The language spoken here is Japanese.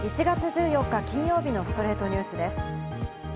１月１４日、金曜日の『ストレイトニュース』です。